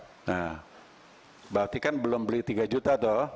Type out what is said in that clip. nah berarti kan belum beli tiga juta doh